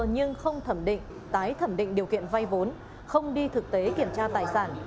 nhưng không thẩm định tái thẩm định điều kiện vay vốn không đi thực tế kiểm tra tài sản